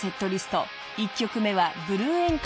［１曲目は］